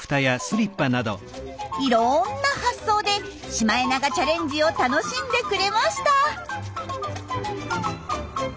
いろんな発想でシマエナガチャレンジを楽しんでくれました。